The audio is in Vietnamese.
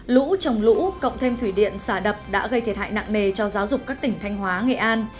lũ trồng lũ cộng thêm thủy điện xả đập đã gây thiệt hại nặng nề cho giáo dục các tỉnh thanh hóa nghệ an